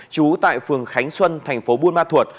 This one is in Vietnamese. trú tại phường khánh xuân thành phố buôn ma thuột